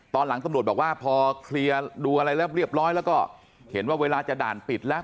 ตอนหลังตำรวจบอกว่าพอเคลียร์ดูอะไรแล้วเรียบร้อยแล้วก็เห็นว่าเวลาจะด่านปิดแล้ว